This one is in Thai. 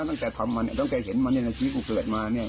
ตั้งแต่ทำมาเนี้ยตั้งแต่เห็นมันเนี้ยนาทีกูเกิดมาเนี้ย